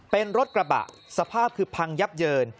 เป็นรถกระบะสภาพคือพังยับเยิน